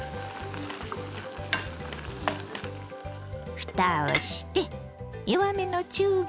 ふたをして弱めの中火。